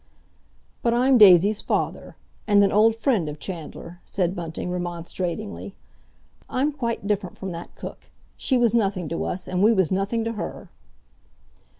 "But I'm Daisy's father; and an old friend of Chandler," said Bunting remonstratingly. "I'm quite different from that cook. She was nothing to us, and we was nothing to her."